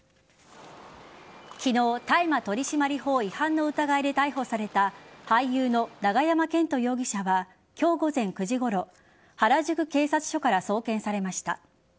昨日、大麻取締法違反の疑いで逮捕された俳優の永山絢斗容疑者は今日午前９時ごろ原宿警察署から送検されました。